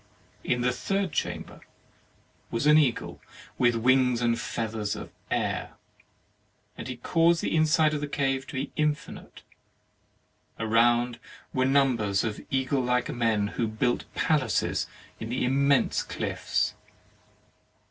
In the third chamber was an eagle with wings and feathers of air; he caused the inside of the cave to be infinite; around were numbers of eagle like men, who built palaces in the immense cliffs.